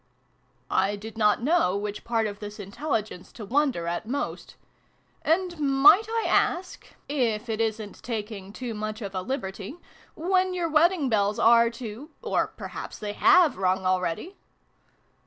I did not know which part of this intelligence to wonder at most. " And might I ask if it isn't taking too much of a liberty when your wedding bells are to or perhaps they have rung, already